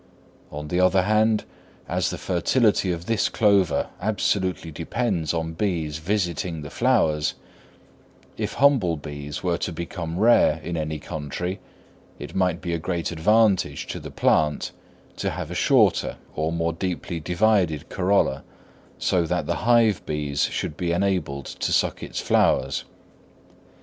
On the other hand, as the fertility of this clover absolutely depends on bees visiting the flowers, if humble bees were to become rare in any country, it might be a great advantage to the plant to have a shorter or more deeply divided corolla, so that the hive bees should be enabled to suck its flowers.